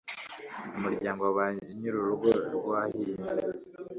umuryango wa ba nyiri urugo rwahiye,